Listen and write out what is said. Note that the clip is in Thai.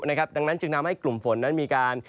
ดังนั้นจึงทำให้กลุ่มฝนนั้นมีการ